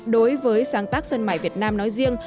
đối với sáng tác sân mải việt nam nói riêng